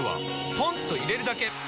ポンと入れるだけ！